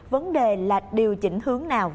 vấn đề là điều chỉnh hướng nào